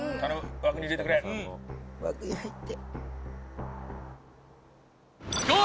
枠に入って。